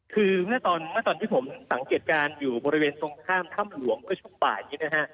คือเมื่อตอนที่ผมสังเกตการณ์อยู่บริเวณตรงข้ามถ้ำหลวงเมื่อช่วงบ่ายนี้นะฮะ